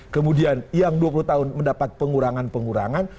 kemudian yang dua puluh tahun mendapat pengurangan pengurangan